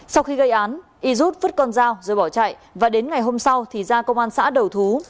sau khi gây án y rút vứt con dao rồi bỏ chạy và đến ngày hôm sau thì ra công an xã đầu thú